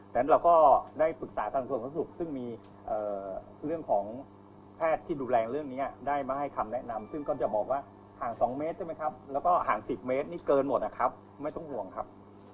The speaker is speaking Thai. ฉะนั้นเราก็ได้ปรึกษาทางส่วนสุขซึ่งมีเรื่องของแพทย์ที่ดูแลเรื่องนี้ได้มาให้คำแนะนำซึ่งก็จะบอกว่าห่าง๒เมตรใช่ไหมครับแล้วก็ห่าง๑๐เมตรนี่เกินหมดนะครับไม่ต้องห่วงครับ